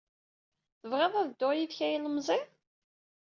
Tebɣiḍ ad dduɣ yid-k a ilemẓi?